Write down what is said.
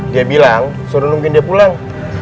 dia bilang suruh mungkin dia pulang